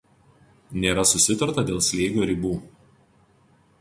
Nėra susitarta dėl slėgio ribų.